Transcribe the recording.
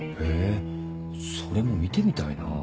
へぇそれも見てみたいな。